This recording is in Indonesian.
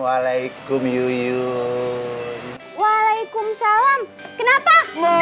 walaikum salam kenapa